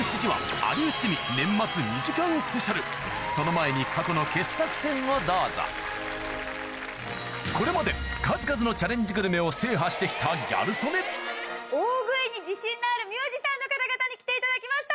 その前に過去の傑作選をどうぞこれまで数々のチャレンジグルメを制覇して来たギャル曽根の方々に来ていただきました